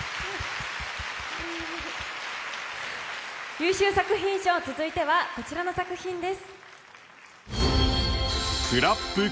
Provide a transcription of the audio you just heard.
優秀作品賞、続いてはこちらの作品です。